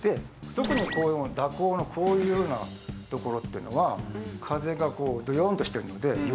特に蛇行のこういうような所っていうのは風がこうどよんとしてるのでより暑くなる。